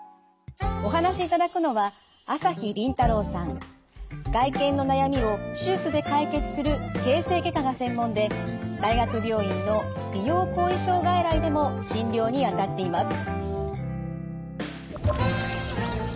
お話しいただくのは外見の悩みを手術で解決する形成外科が専門で大学病院の美容後遺症外来でも診療にあたっています。